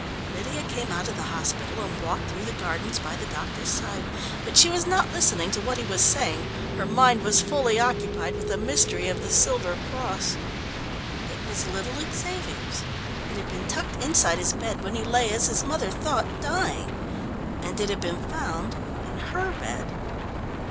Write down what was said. Lydia came out of the hospital and walked through the gardens by the doctor's side. But she was not listening to what he was saying her mind was fully occupied with the mystery of the silver cross. It was little Xavier's ... it had been tucked inside his bed when he lay, as his mother thought, dying ... and it had been found in her bed!